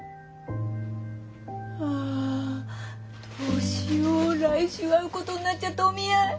あどうしよう来週会うことになっちゃったお見合い。